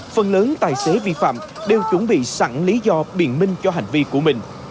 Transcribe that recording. phần lớn tài xế vi phạm đều chuẩn bị sẵn lý do biện minh cho hành vi của mình